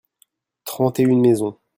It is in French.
trente et une maisons.